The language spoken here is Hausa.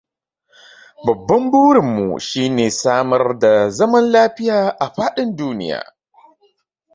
Babban burin mu shi ne samar da zaman lafiya a fadin duniya.